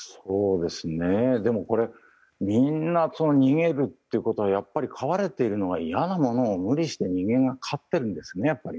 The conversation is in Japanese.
でも、これみんな逃げるってことはやっぱり飼われているのが嫌なものを無理して人間が飼っているんですね、やっぱり。